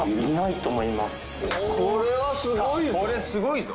これすごいぞ。